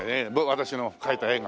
私の描いた絵が。